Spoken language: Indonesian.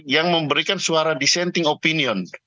yang memberikan suara dissenting opinion